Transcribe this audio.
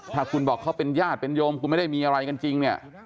ถ้าคุณบอกเขาเป็นญาติเป็นโยมคุณไม่ได้มีอะไรกันจริงเนี่ย